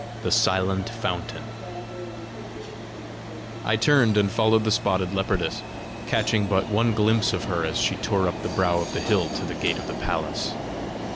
THE SILENT FOUNTAIN I turned and followed the spotted leopardess, catching but one glimpse of her as she tore up the brow of the hill to the gate of the palace.